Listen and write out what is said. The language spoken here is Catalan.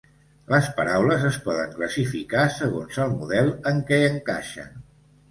Les paraules es poden classificar segons el model en què encaixen.